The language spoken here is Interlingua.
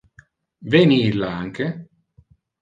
Veni illa, anque?